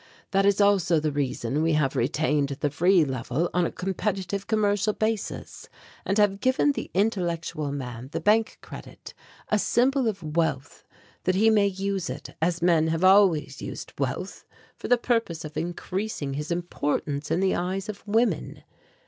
That is also the reason we have retained the Free Level on a competitive commercial basis, and have given the intellectual man the bank credit, a symbol of wealth, that he may use it, as men have always used wealth, for the purpose of increasing his importance in the eyes of woman.